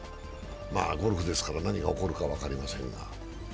まあゴルフですから何が起こるか分かりませんが。